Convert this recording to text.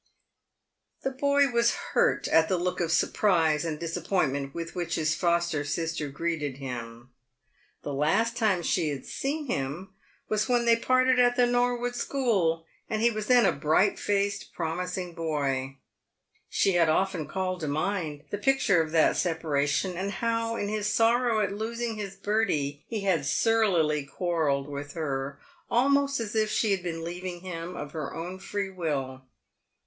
The boy was hurt at the look of surprise and disappointment with which his foster sister greeted him. The last time she had seen him was when they parted at the Nor wood school, and he was then a bright faced, promising boy. She had often called to mind the picture of that separation, and how in his sorrow at losing his Bertie he had surlily quarrelled with her, almost as if she had been leaving him of her own free will.